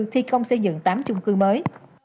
thi công xây dựng tám chung cư mới